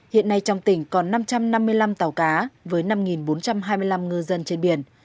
hiện nay trong tỉnh còn năm trăm năm mươi năm tàu cá với năm bốn trăm hai mươi năm ngư dân trên biển